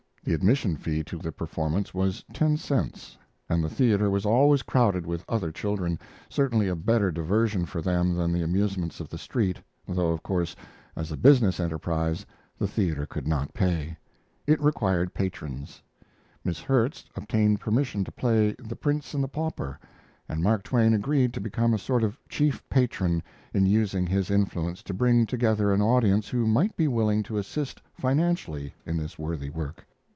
The admission fee to the performance was ten cents, and the theater was always crowded with other children certainly a better diversion for them than the amusements of the street, though of course, as a business enterprise, the theater could not pay. It required patrons. Miss Herts obtained permission to play "The Prince and the Pauper," and Mark Twain agreed to become a sort of chief patron in using his influence to bring together an audience who might be willing to assist financially in this worthy work.